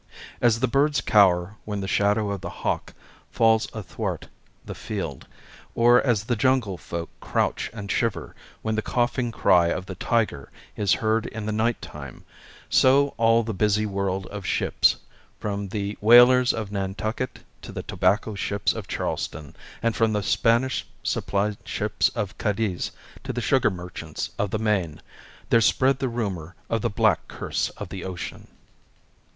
As the birds cower when the shadow of the hawk falls athwart the field, or as the jungle folk crouch and shiver when the coughing cry of the tiger is heard in the night time, so through all the busy world of ships, from the whalers of Nantucket to the tobacco ships of Charleston, and from the Spanish supply ships of Cadiz to the sugar merchants of the Main, there spread the rumour of the black curse of the ocean.